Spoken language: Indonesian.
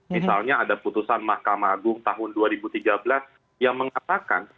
misalnya ada putusan mahkamah agung tahun dua ribu tiga belas yang mengatakan